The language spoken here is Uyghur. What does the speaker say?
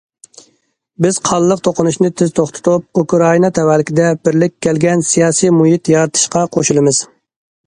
بىز قانلىق توقۇنۇشنى تېز توختىتىپ، ئۇكرائىنا تەۋەلىكىدە بىرلىككە كەلگەن سىياسىي مۇھىت يارىتىشقا قوشۇلىمىز.